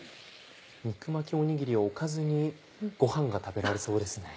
肉巻きおにぎりをおかずにご飯が食べられそうですね。